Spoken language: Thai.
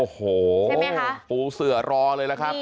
โอ้โหปูเสือรอเลยล่ะครับ